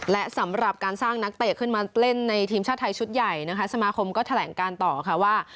และสำหรับการสร้างนักเตะขึ้นมาเล่นในทีมชาติไทยชุดใหญ่นะคะสมาคมก็แถลงการต่อค่ะว่า